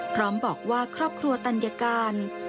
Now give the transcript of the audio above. พร้อมบอกว่าครอบครัวตัญการ